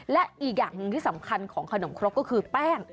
และอีกอย่างหนึ่งที่สำคัญของขนมครกก็คือแป้ง